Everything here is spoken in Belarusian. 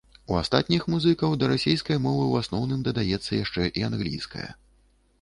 У астатніх музыкаў да раскай мовы ў асноўным дадаецца яшчэ і англійская.